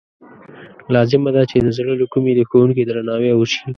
لازمه ده چې د زړه له کومې د ښوونکي درناوی وشي.